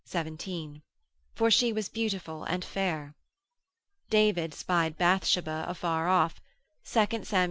17, for she was beautiful and fair. David spied Bathsheba afar off, 2 Sam.